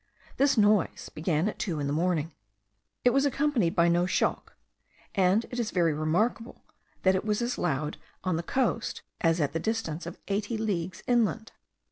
This noise began at two in the morning. It was accompanied by no shock; and it is very remarkable, that it was as loud on the coast as at the distance of eighty leagues inland.